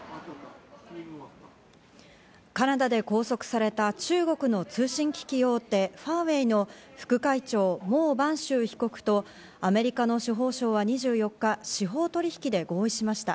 カナダで拘束された中国の通信機器大手ファーウェイの副会長、モウ・バンシュウ被告とアメリカの司法省は２４日、司法取引で合意しました。